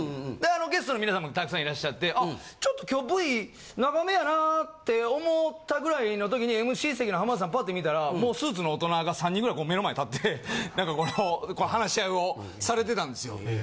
ゲストの皆さんもたくさんいらっしゃってあちょっと今日Ｖ長めやなって思ったぐらいの時にＭＣ席の浜田さんパッて見たらもうスーツの大人が３人ぐらいこう目の前立って何かこの話し合いをされてたんですよ。